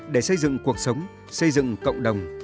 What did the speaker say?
để xây dựng cuộc sống xây dựng cộng đồng